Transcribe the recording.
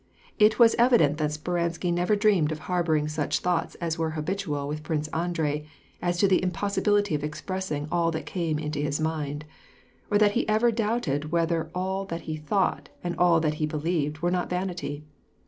It was evident that Speransky never dreamed of harboring such thoughts as were habitual with Prince Andrei, as to the impossibility of expressing all that came into his mind, or that he had ever doubted whether all that he thought and all that he believed were not vanity.